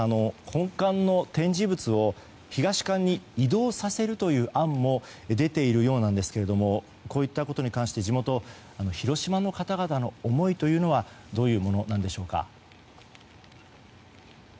本館の展示物を東館に移動させるという案も出ているようなんですけどもこういったことに関して地元・広島の方々の思いはどういうものなんでしょうか。